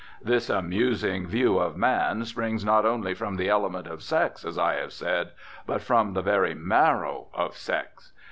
This amusing view of man springs not only from the element of sex, as I have said, but from the very marrow of sex.